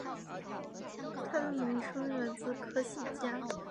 它的名称源自科西嘉。